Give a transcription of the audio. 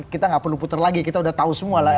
kita gak perlu puter lagi kita udah tahu semua